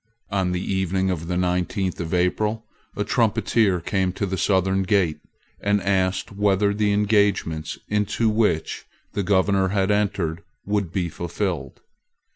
On the evening of the nineteenth of April, a trumpeter came to the southern gate, and asked whether the engagements into which the Governor had entered would be fulfilled.